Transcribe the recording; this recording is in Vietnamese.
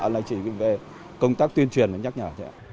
là chỉ về công tác tuyên truyền và nhắc nhở